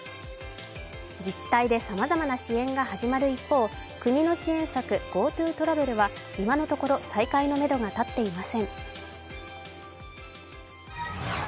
自治体でさまざまな支援が始まる一方、国の支援策、ＧｏＴｏトラベルは今のところ再開のめどが立っていません。